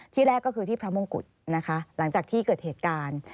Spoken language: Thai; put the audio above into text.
แรกก็คือที่พระมงกุฎนะคะหลังจากที่เกิดเหตุการณ์